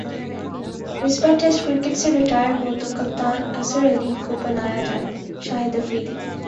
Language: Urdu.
مصباح ٹیسٹ کرکٹ سے ریٹائر ہو تو کپتان اظہر علی کو بنایا جائےشاہد افریدی